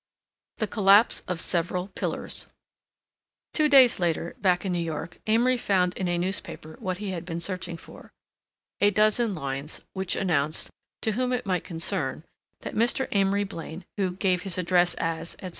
THE COLLAPSE OF SEVERAL PILLARS Two days later back in New York Amory found in a newspaper what he had been searching for—a dozen lines which announced to whom it might concern that Mr. Amory Blaine, who "gave his address" as, etc.